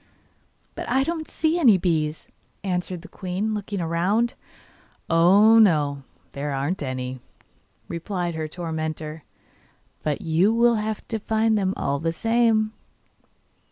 'But I don't see any bees,' answered the queen, looking round. 'Oh, no, there aren't any,' replied her tormentor; 'but you will have to find them all the same.